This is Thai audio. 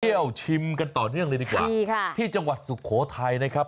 เที่ยวชิมกันต่อเนื่องเลยดีกว่าที่จังหวัดสุโขทัยนะครับ